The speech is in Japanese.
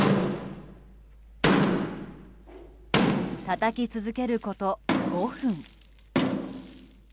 たたき続けること５分。